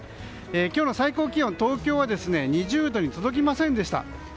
今日の最高気温東京は２０度に届きませんでした。